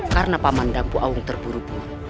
karena paman dampu awang terburuk